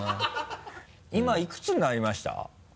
今いくつになりました？